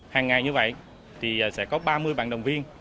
hàng ngày như vậy thì sẽ có ba mươi bạn đồng viên